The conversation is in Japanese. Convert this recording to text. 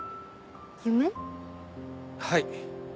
はい。